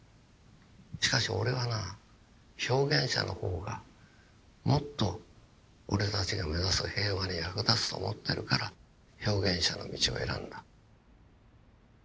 しかし俺はな表現者の方がもっと俺たちが目指す平和に役立つと思ってるから表現者の道を選んだ」。